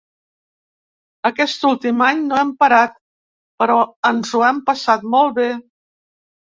Aquest últim any no hem parat, però ens ho hem passat molt bé.